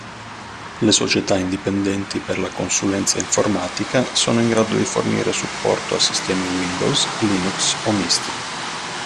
Le società indipendenti per la consulenza informatica sono in grado di fornire supporto a sistemi Windows, Linux o misti.